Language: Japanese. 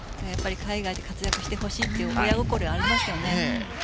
海外で活躍してほしいという親心はありますね。